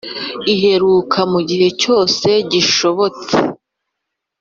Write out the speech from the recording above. iheruka mu gihe cyose bishobotse